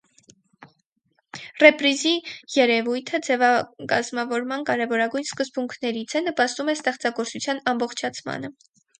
Ռեպրիզի երևույթը ձևակազմավորման կարևորագույն սկզբունքներից է, նպաստում է ստեղծագործության ամբողջացմանը։